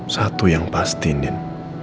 satu yang pasti nin